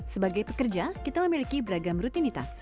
sebagai pekerja kita memiliki beragam rutinitas